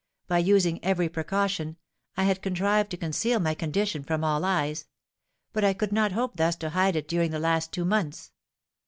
By using every precaution, I had contrived to conceal my condition from all eyes; but I could not hope thus to hide it during the last two months.